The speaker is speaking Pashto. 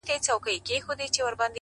• په شاعرۍ کي رياضت غواړمه؛